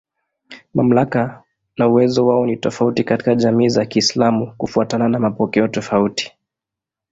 Mamlaka na uwezo wao ni tofauti katika jamii za Kiislamu kufuatana na mapokeo tofauti.